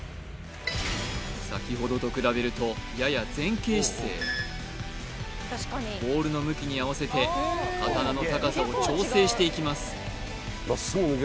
先ほどと比べるとやや前傾姿勢ボールの向きに合わせて刀の高さを調整していきます